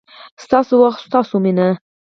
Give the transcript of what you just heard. ستاسو وخت، ستاسو مینه